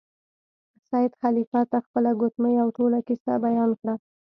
سید خلیفه ته خپله ګوتمۍ او ټوله کیسه بیان کړه.